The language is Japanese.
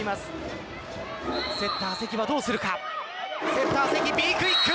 セッター関Ｂクイック！